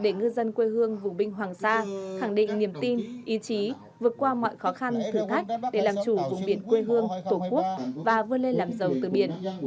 để ngư dân quê hương vùng binh hoàng sa khẳng định niềm tin ý chí vượt qua mọi khó khăn thử thách để làm chủ vùng biển quê hương tổ quốc và vươn lên làm giàu từ biển